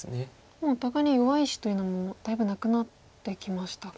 もうお互いに弱い石というのもだいぶなくなってきましたか。